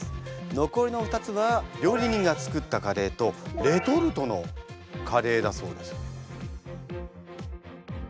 残りの２つは料理人が作ったカレーとレトルトのカレーだそうです。